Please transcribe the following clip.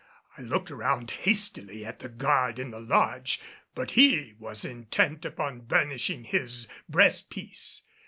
I looked around hastily at the guard in the lodge, but he was intent upon burnishing his breastpiece.